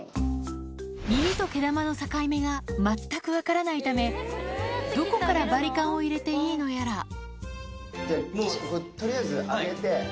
耳と毛玉の境目が全く分からないためどこからバリカンを入れていいのやら上げて。